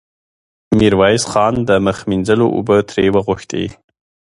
ميرويس خان د مخ مينځلو اوبه ترې وغوښتې.